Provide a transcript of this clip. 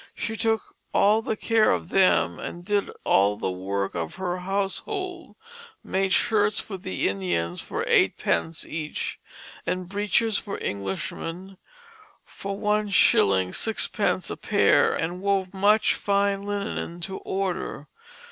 She took all the care of them and did all the work of her household, made shirts for the Indians for eight pence each, and breeches for Englishmen for one shilling sixpence a pair, and wove much fine linen to order.